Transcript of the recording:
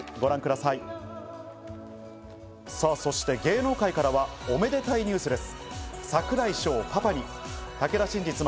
さぁ、そして芸能界からはおめでたいニュースです。